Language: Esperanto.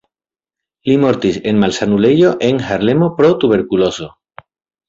Li mortis en malsanulejo en Harlemo pro tuberkulozo.